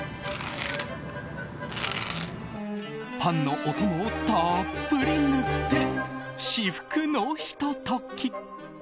パンのお供をたっぷり塗って至福のひと時。